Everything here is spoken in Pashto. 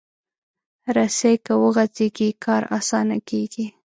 رسۍ که وغځېږي، کار اسانه کېږي.